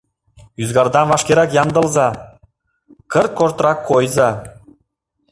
Ӱзгардам вашкерак ямдылыза, кырт-кортрак койза.